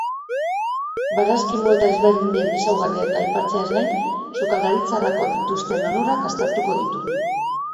Barazki moeta ezberdinen ezaugarriak aipatzeaz gain, sukaldaritzarako dituzten onurak aztertuko ditu.